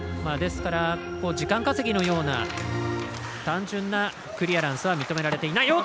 ですから時間稼ぎのような単純なクリアランスは認められていない。